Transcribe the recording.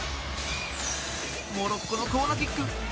モロッコのコーナーキック。